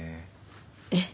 えっ？